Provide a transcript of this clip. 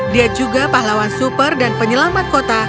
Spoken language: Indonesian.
dia juga pahlawan super dan penyelamat kota